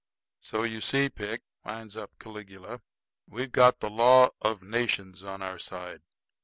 So you see, Pick," winds up Caligula, "we've got the law of nations on our side.